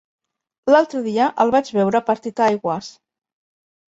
L'altre dia el vaig veure per Titaigües.